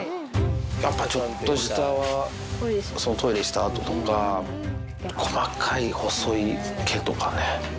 やっぱちょっとしたトイレした跡とか、細かい細い毛とかね。